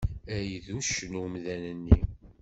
Ay d uccen umdan-nni!